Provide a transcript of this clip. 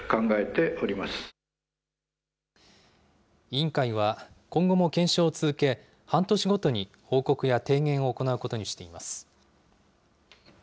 委員会は今後も検証を続け、半年ごとに報告や提言を行うことにしています。